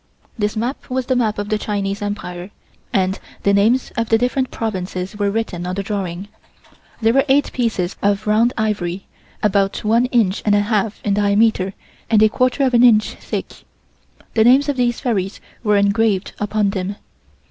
This map was the map of the Chinese Empire, and the names of the different provinces were written on the drawing. There were eight pieces of round ivory, about one inch and a half in diameter and a quarter of an inch thick. The names of these fairies were engraved upon them.